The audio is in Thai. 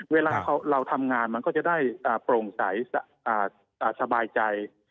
เวลาเราทำงานมันก็จะได้โปร่งใสสบายใจ